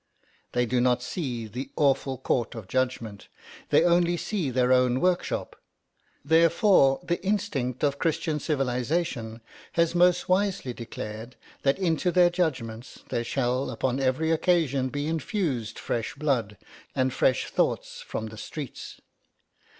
They do not see the awful court of judgment; they only see their own workshop. Therefore, the instinct of Christian civilisation has most wisely declared that into their judgments there shall upon every occasion be infused fresh blood and fresh thoughts from the streets.